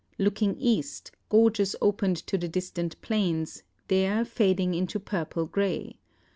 Looking east, gorges opened to the distant plains, there fading into purple grey.